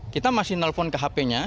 kita masih nelfon ke hpnya